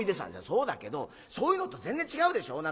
「そうだけどそういうのと全然違うでしょ？